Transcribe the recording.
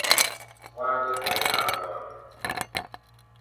Wá̧á̧ gbɛ̧́ gbɛ̧ɛ̧́ ha̧a̧rua̧a̧.